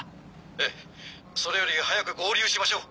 ええそれより早く合流しましょう。